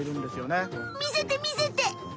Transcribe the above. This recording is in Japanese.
みせてみせて！